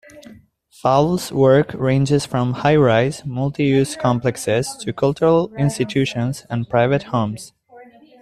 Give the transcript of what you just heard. Fowle's work ranges from high-rise, multi-use complexes to cultural institutions and private homes.